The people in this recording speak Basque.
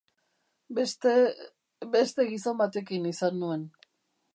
Beste... beste gizon batekin izan nuen.